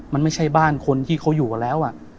มันไม่ใช่บ้านคนที่เขาอยู่กันแล้ว